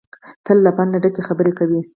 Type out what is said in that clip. تل له پنده ډکې خبرې کوي.